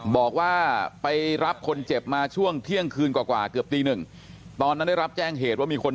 บอกว่าไปรับคนเจ็บมาช่วงเที่ยงคืนกว่าเกือบตีหนึ่งตอนนั้นได้รับแจ้งเหตุว่ามีคน